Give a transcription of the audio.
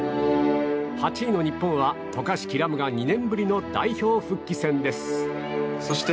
８位の日本は渡嘉敷来夢が２年ぶりの代表復帰戦です。